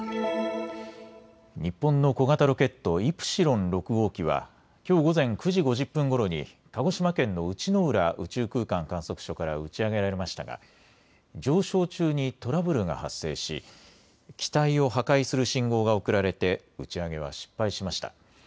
日本の小型ロケット、イプシロン６号機はきょう午前９時５０分ごろに鹿児島県の内之浦宇宙空間観測所から打ち上げられましたが上昇中にトラブルが発生し、機体を破壊する信号が送られて打ち上げは失敗しました。